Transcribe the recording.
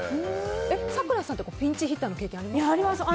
咲楽さんはピンチヒッターの経験ありますか？